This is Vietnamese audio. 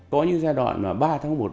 có những giai đoạn mà ba tháng một